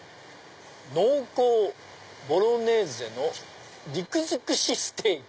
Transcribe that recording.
「濃厚ボロネーゼの肉づくしステーキ」。